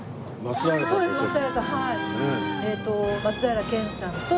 松平さん。